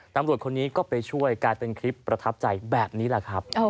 ตำรวจคนนี้ก็ไปช่วยกลายเป็นคลิปประทับใจแบบนี้แหละครับ